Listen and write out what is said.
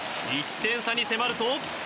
１点差に迫ると。